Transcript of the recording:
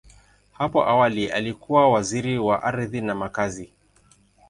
Hapo awali, alikuwa Waziri wa Ardhi na Makazi.